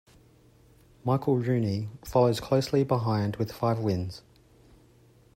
Michael Rooney follows closely behind with five wins.